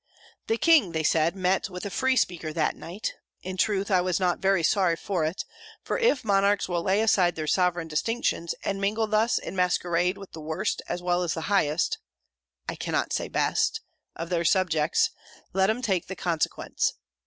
The King, they said, met with a free speaker that night: in truth, I was not very sorry for it; for if monarchs will lay aside their sovereign distinctions, and mingle thus in masquerade with the worst as well as the highest (I cannot say best) of their subjects, let 'em take the consequence.